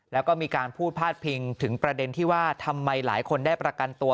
แล้วก็มีการพูดพาดพิงถึงประเด็นที่ว่าทำไมหลายคนได้ประกันตัว